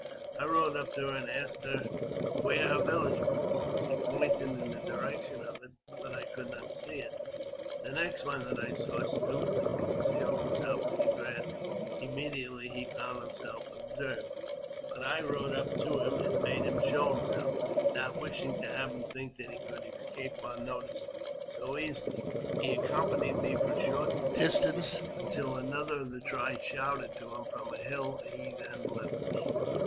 I rode up to her and asked where her village was. She pointed in the direction of it, but I could not see it. The next one that I saw stooped and concealed himself in the grass imme diately he found himself observed ; but I rode up to him, and made him show himself, not wishing to have him think that he could escape our notice so easily. He accompanied me for a short distance, until another of the tribe shouted to him from a hill, and he then left me.